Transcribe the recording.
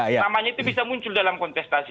namanya itu bisa muncul dalam kontestasi